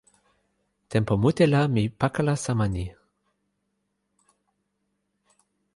tenpo mute la mi pakala sama ni.